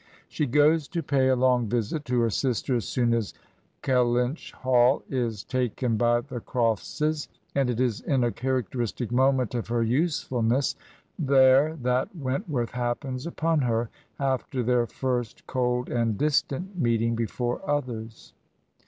She goes to pay a long visit to her sister as soon as Kellynch Hall is taken by the Croftses, and it is in a characteristic moment of her usefulness there that Wentworth happens upon her, after their first cold and distant meeting before others.